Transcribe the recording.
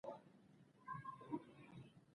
ځان ته چی غره شی ، یا خاوري یا ايره شی .